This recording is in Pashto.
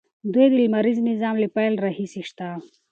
دوی د لمریز نظام له پیل راهیسې شته.